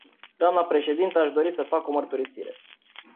Doamnă președintă, aș dori să fac o mărturisire.